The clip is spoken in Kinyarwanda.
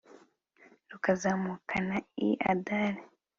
rukazamukana i adari